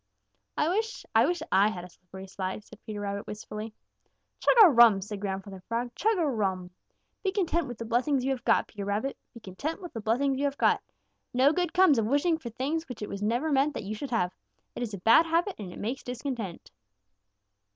"I wish I wish I had a slippery slide," said Peter Rabbit wistfully. "Chug a rum!" said Grandfather Frog. "Chug a rum! Be content with the blessings you have got, Peter Rabbit. Be content with the blessings you have got. No good comes of wishing for things which it never was meant that you should have. It is a bad habit and it makes discontent."